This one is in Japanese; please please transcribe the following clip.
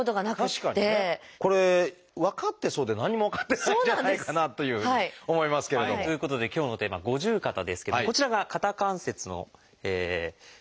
確かにね。これ分かってそうで何にも分かってないんじゃないかなというふうに思いますけれども。ということで今日のテーマは「五十肩」ですけどこちらが肩関節の模型です。